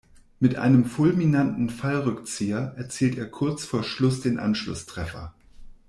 Mit einem fulminanten Fallrückzieher erzielt er kurz vor Schluss den Anschlusstreffer.